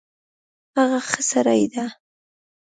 هغه ښه سړی ده